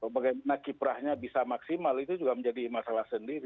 bagaimana kiprahnya bisa maksimal itu juga menjadi masalah sendiri